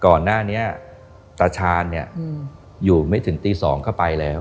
ก่อนหน้านี้ตะชานเนี่ยอืมอยู่ไม่ถึงตีสองก็ไปแล้ว